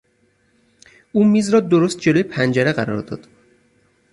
او میز را درست جلو پنجره قرار داد.